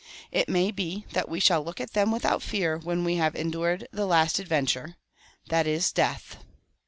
It may be that we shall look at them without fear when we have endured the last adventure, that is death.